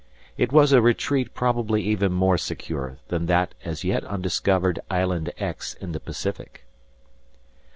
It was a retreat probably even more secure than that as yet undiscovered Island X in the Pacific.